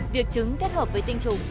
việc trứng kết hợp với tinh trùng